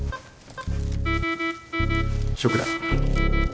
ショックだ。